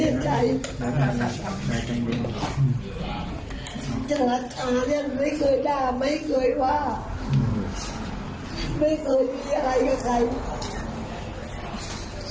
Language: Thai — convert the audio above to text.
ไม่เคยมีอะไรกับใคร